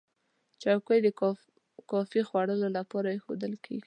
چوکۍ د کافي خوړلو لپاره ایښودل کېږي.